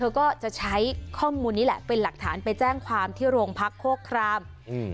ก็จะใช้ข้อมูลนี้แหละเป็นหลักฐานไปแจ้งความที่โรงพักโฆครามอืม